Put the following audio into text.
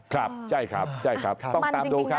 ครับใช่ครับใช่ครับต้องตามดูครับ